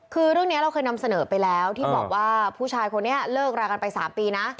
คือเรื่องนี้เราเคยนำเสนอไปแล้วที่บอกว่าผู้ชายคนนี้เลิกรากันไป๓ปีนะ